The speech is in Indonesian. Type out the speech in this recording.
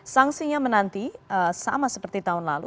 sanksinya menanti sama seperti tahun lalu